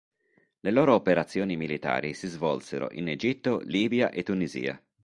Le loro operazioni militari si svolsero in Egitto, Libia e Tunisia.